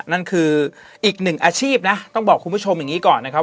นั่นคืออีกหนึ่งอาชีพนะต้องบอกคุณผู้ชมอย่างนี้ก่อนนะครับ